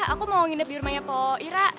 aku mau nginep di rumahnya pak ira